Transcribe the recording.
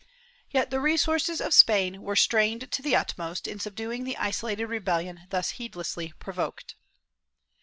Yet the resources of Spain were strained to the utmost in subduing the isolated rebellion thus heedlessly provoked.